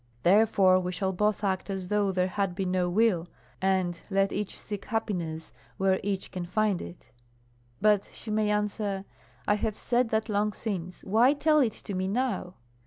Therefore we shall both act as though there had been no will, and let each seek happiness where each can find it?" But she may answer: "I have said that long since; why tell it to me now?"